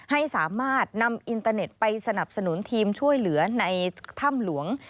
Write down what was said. ให้สามารถนำอินเตอร์เน็ตไปสนับสนุนทีมช่วยเหลือในถ้ำหลวง